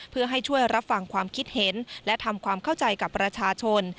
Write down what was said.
เพื่อให้ช่วยรับฟังความคิดเห็นและทำความเข้าใจกับประชาชน